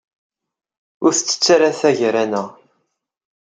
Ur tettett ara ta gar-aneɣ.